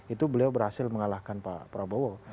itu beliau berhasil mengalahkan pak prabowo